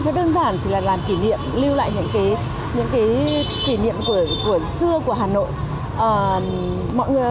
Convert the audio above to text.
nói đơn giản chỉ là làm kỷ niệm lưu lại những kỷ niệm của xưa của hà nội